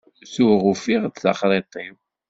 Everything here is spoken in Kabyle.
Tuɣ ufiɣ-d taxṛiṭ-iw.